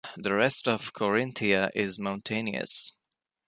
The rest of Corinthia is mountainous.